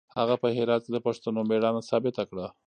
هغه په هرات کې د پښتنو مېړانه ثابته کړه.